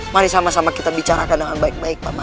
mari sama sama kita bicarakan dengan baik baik paman